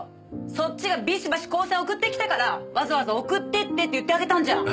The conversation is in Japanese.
そっちがビシバシ光線送ってきたからわざわざ送ってって言ってあげたんじゃん。